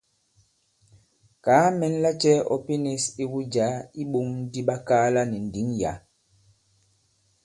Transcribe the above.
Kàa mɛn lacɛ̄ ɔ pinīs iwu jǎ i iɓōŋ di ɓakaala nì ndǐŋ yǎ.